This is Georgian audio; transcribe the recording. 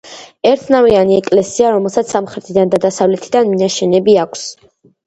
ერთნავიანი ეკლესია, რომელსაც სამხრეთიდან და დასავლეთიდან მინაშენები აქვს.